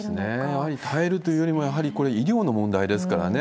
やはり耐えるというよりも、やはりこれ、医療の問題ですからね。